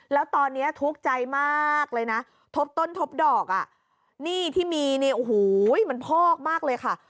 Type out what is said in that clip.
แล้วตอนนี้ทุกข์ใจมากเลยนะทบต้นทบดอกอ่ะหนี้ที่มีเนี่ยโอ้โหมันพอกมากเลยค่ะ